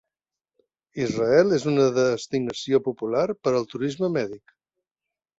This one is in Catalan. Israel és una destinació popular per al turisme mèdic.